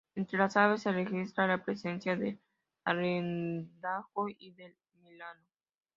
Entre las aves se registra la presencia del arrendajo y del milano.